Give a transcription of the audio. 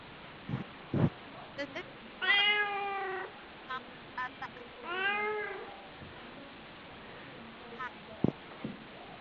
The same feature was attested in some other unclassified languages, including Minoan.